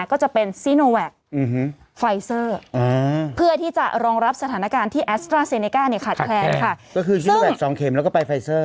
ก็คือซีโนแวค๒เข็มแล้วก็ไปไฟเซอร์